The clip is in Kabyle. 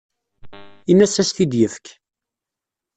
Ini-as ad as-t-id-yefk.